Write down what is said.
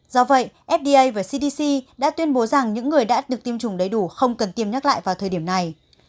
do vậy fda và cdc đã tuyên bố rằng những người đã được tiêm chủng đầy đủ không cần tiêm nhắc lại vào thời điểm này